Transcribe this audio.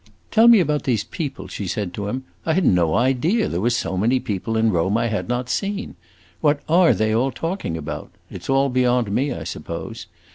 "Tell me about these people," she said to him. "I had no idea there were so many people in Rome I had not seen. What are they all talking about? It 's all beyond me, I suppose.